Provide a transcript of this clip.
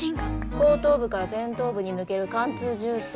後頭部から前頭部に抜ける貫通銃創。